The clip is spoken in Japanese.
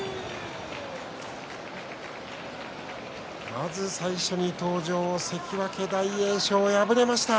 まず最初に登場関脇大栄翔、敗れました。